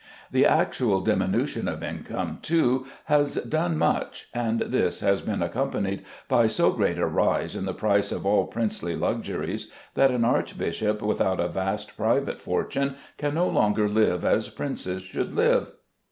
The actual diminution of income, too, has done much, and this has been accompanied by so great a rise in the price of all princely luxuries that an archbishop without a vast private fortune can no longer live as princes should live.